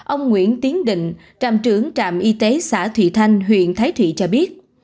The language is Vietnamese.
ông nguyễn tiến định trạm trưởng trạm y tế xã thụy thanh huyện thái thụy cho biết